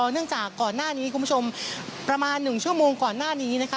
เนื่องจากก่อนหน้านี้คุณผู้ชมประมาณ๑ชั่วโมงก่อนหน้านี้